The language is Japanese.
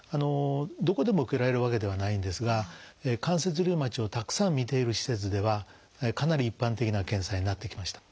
どこでも受けられるわけではないんですが関節リウマチをたくさん診ている施設ではかなり一般的な検査になってきました。